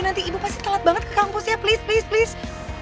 nanti ibu pasti telat banget ke kampusnya please please please